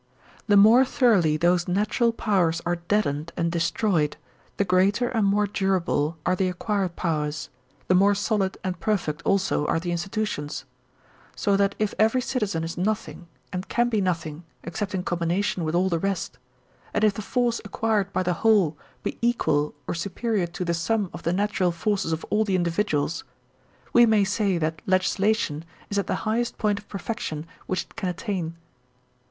The more thoroughly those natural powers are deadened and destroyed, the greater and more durable are the acquired powers, the more solid and per* feet also are the institutions; so that if every citizen is nothing, and can be nothing, except in combination with all the rest, and if the force acquired by the whole be equal or superior to the sum of the natural forces of all the individuals, we may say that legislation is at the highest point of perfection which it can attain.